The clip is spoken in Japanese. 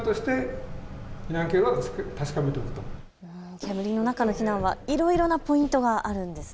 煙の中の避難はいろいろなポイントがあるんですね。